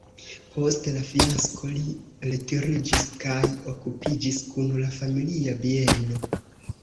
Post la fiasko li retiriĝis kaj okupiĝis kun la familia bieno.